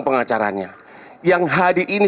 pengacaranya yang hari ini